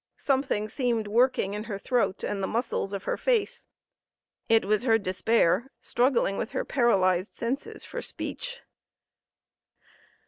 Something seemed working in her throat and the muscles of her face: it was her despair struggling with her paralysed senses for speech.